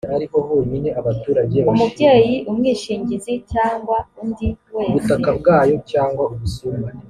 umubyeyi umwishingizi cyangwa undi wese